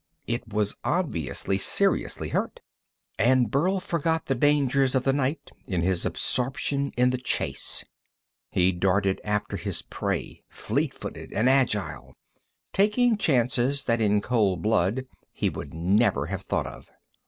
It was obviously seriously hurt, and Burl forgot the dangers of the night in his absorption in the chase. He darted after his prey, fleet footed and agile, taking chances that in cold blood he would never have thought of.